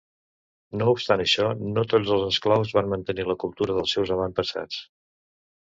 No obstant això, no tots els esclaus van mantenir la cultura dels seus avantpassats.